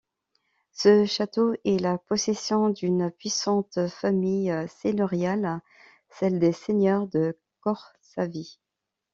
Ce château est la possession d'une puissante famille seigneuriale, celle des seigneurs de Corsavy.